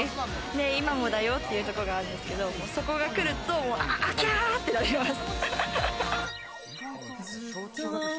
「ねぇ今もだよ」っていうところがあるんですけど、そこが来ると、キャってなります。